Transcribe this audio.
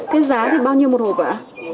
cái giá thì bao nhiêu một hộp ạ